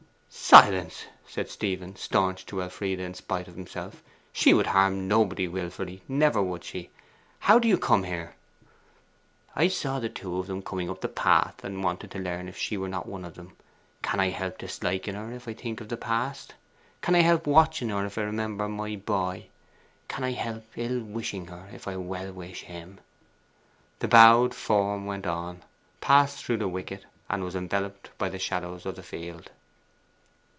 'Silence!' said Stephen, staunch to Elfride in spite of himself. 'She would harm nobody wilfully, never would she! How do you come here?' 'I saw the two coming up the path, and wanted to learn if she were not one of them. Can I help disliking her if I think of the past? Can I help watching her if I remember my boy? Can I help ill wishing her if I well wish him?' The bowed form went on, passed through the wicket, and was enveloped by the shadows of the field.